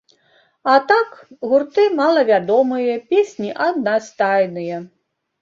А так, гурты малавядомыя, песні аднастайныя.